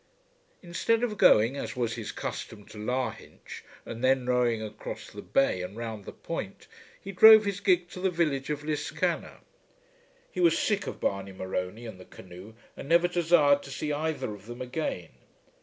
Instead of going as was his custom to Lahinch, and then rowing across the bay and round the point, he drove his gig to the village of Liscannor. He was sick of Barney Morony and the canoe, and never desired to see either of them again.